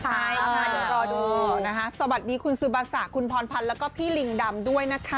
ใช่ค่ะเดี๋ยวรอดูนะคะสวัสดีคุณซูบาสะคุณพรพันธ์แล้วก็พี่ลิงดำด้วยนะคะ